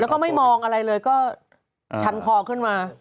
แล้วก็ไม่มองอะไรเลยก็ชันคอขึ้นมา